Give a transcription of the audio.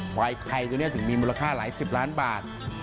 ควายไทยตัวนี้ถึงมีมูลค่าหลายสิบล้านบาท